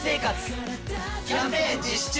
キャンペーン実施中！